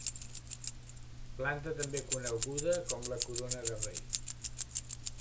Planta també coneguda com la corona de rei.